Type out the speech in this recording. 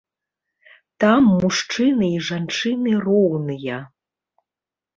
Там мужчыны і жанчыны роўныя.